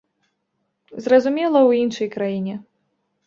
Зразумела, у іншай краіне.